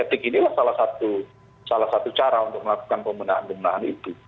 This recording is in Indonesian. etik inilah salah satu cara untuk melakukan pembenahan pembenahan itu